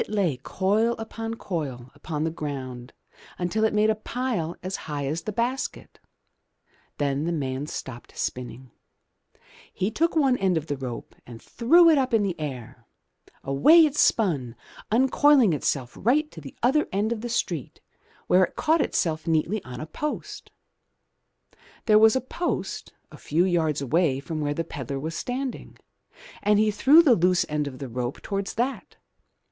It lay coil upon coil upon the ground until it made a pile as high as the basket. Then the man stopped spinning. He took one end of the rope and threw it up in the air. Away it spun, uncoiling itself right to the other end of the street where it caught itself neatly on a post. There was a post a few yards away from where the pedlar was standing, and he threw the loose end of the rope towards that.